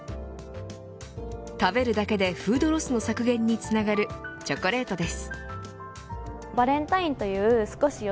食べるだけでフードロスの削減につながるチョコレートです。